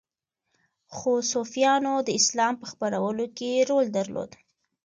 خو صوفیانو د اسلام په خپرولو کې رول درلود